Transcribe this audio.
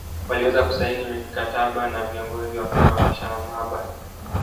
Waliweza kusaini mikataba na viongozi wakapewa mashamaba